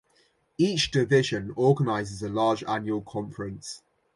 Each division organises a large annual conference.